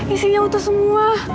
isinya utuh semua